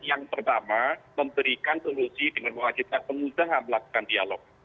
yang pertama memberikan solusi dengan mewajibkan pengusaha melakukan dialog